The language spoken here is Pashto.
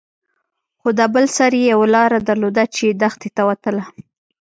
خو دا بل سر يې يوه لاره درلوده چې دښتې ته وتله.